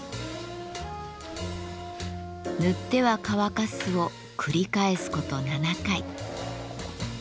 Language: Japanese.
塗っては乾かすを繰り返すこと７回。